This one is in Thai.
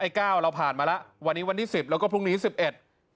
ไอ้๙เราผ่านมาแล้ววันนี้วันที่๑๐แล้วก็พรุ่งนี้วันที่๑๑